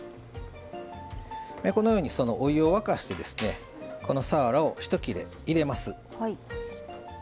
このようにお湯を沸かしてこのさわらを一切れ入れます。